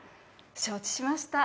承知しました。